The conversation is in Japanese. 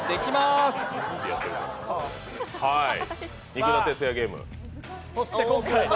肉田鉄矢ゲーム。